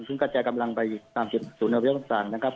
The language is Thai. ซึ่งกระจายกำลังไปตามศูนยพยพศักดิ์นะครับ